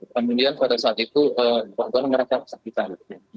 kemudian pada saat itu korban merasa kesakitan